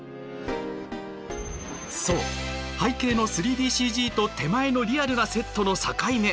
そう、背景の３ＤＣＧと手前のリアルなセットの境目。